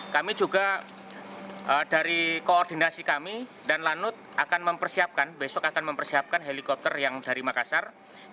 kami juga dari koordinasi kami dan lanut akan mempersiapkan besok akan mempersiapkan helikopter yang dari makassar